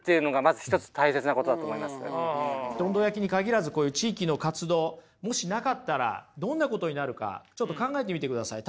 どんど焼きに限らずこういう地域の活動もしなかったらどんなことになるかちょっと考えてみてください。